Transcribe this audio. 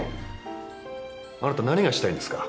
あなた何がしたいんですか？